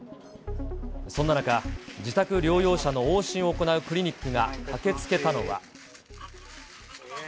そんな中、自宅療養者の往診を行うクリニックが駆けつけたのは。